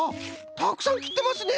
たくさんきってますね！